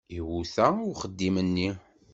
Iwuta i uxeddim-nni.